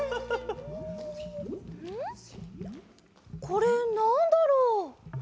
これなんだろう？